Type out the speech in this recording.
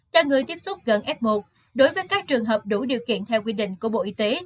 cho người tiếp xúc gần f một đối với các trường hợp đủ điều kiện theo quy định của bộ y tế